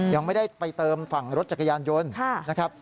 ยังไม่ได้ไปเติมฝั่งรถจักรยานยนต์นะครับ